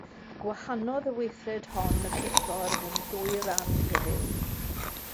Gwahanodd y weithred hon y briffordd yn ddwy ran heddiw.